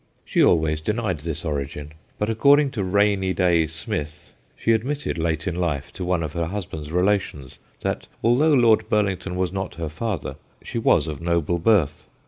She always denied this origin, but according to ' Rainy Day Smith ' she admitted, late in life, to one of her husband's relations that, although Lord Burlington was not her father, she was of noble birth.